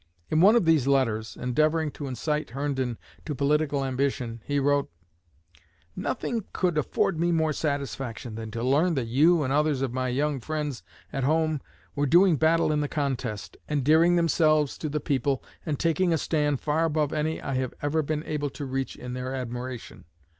In one of these letters, endeavoring to incite Herndon to political ambition, he wrote: "Nothing could afford me more satisfaction than to learn that you and others of my young friends at home were doing battle in the contest, endearing themselves to the people and taking a stand far above any I have ever been able to reach in their admiration.